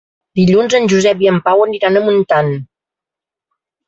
Dilluns en Josep i en Pau aniran a Montant.